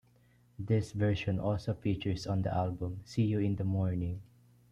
This version also features on the album "See You in the Morning".